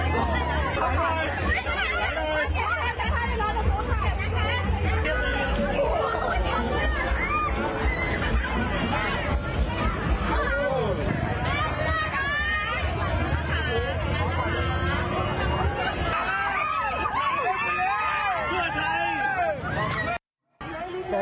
หัวใจหัวใจ